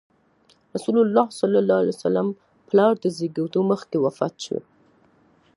رسول الله ﷺ پلار د زېږېدو مخکې وفات شو.